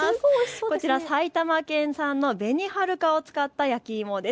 こちら、埼玉県産の紅はるかを使った焼き芋です。